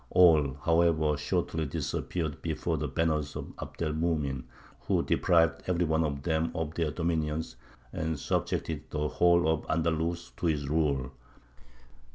All, however, shortly disappeared before the banners of Abd el Mumin, who deprived every one of them of their dominions, and subjected the whole of Andalus to his rule."